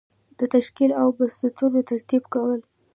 د تشکیل او بستونو ترتیب کول.